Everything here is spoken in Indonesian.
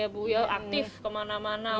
dia aktif kemana mana